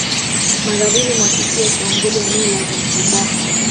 Magharibi mwa kisiwa cha Unguja eneo la Zanzibar